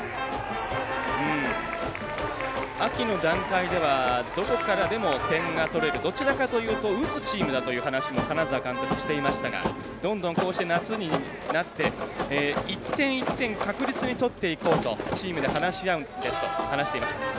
秋の段階ではどこからでも点が取れるどちらかというと打つチームだという話も話も金沢監督がしていましたがどんどん夏になって一点一点確実に取っていこうとチームで話し合うんですと話していました。